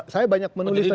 saya banyak menulis tentang